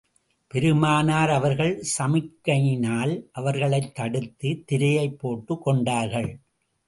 பெருமானார் அவர்கள் சமிக்ஞையினால் அவர்களைத் தடுத்து, திரையைப் போட்டுக் கொண்டார்கள்.